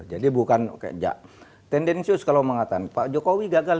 jadi bukan kayak tendensius kalau mengatakan pak jokowi gagal